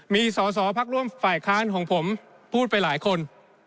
มีสอสอพักร่วมฝ่ายค้านของผมพูดไปหลายคน